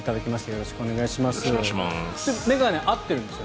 よろしくお願いします。